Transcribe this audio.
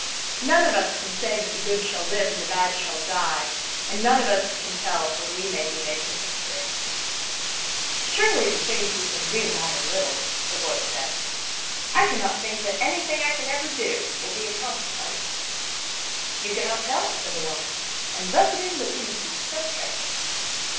None of us can say that the good shall live and the bad shall die, and none of us can tell when we may be making history. XIL] IN THE PORCH. 139 III. " SURELY the things we can do matter little !" the boy said. " I cannot think that anything I can ever do will be of consequence." " You cannot tell," said the woman, " and thus it is that we must be so careful."